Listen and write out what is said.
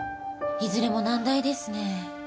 いずれも難題ですねえ。